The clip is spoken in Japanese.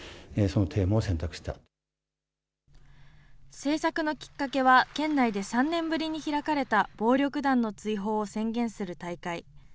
制作のきっかけは県内で３年ぶりに開かれた、暴力団の追放を宣言する大会。